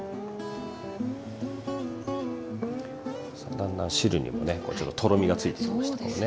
だんだん汁にもねちょっととろみがついてきましたね。